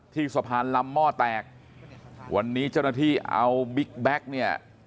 สะพานลำหม้อแตกวันนี้เจ้าหน้าที่เอาบิ๊กแบ็คเนี่ย